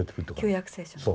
「旧約聖書」の。